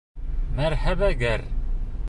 Мәрхәбә ғәр.